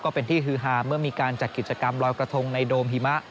เป็นที่ฮือฮาเมื่อมีการจัดกิจกรรมลอยกระทงในโดมหิมะ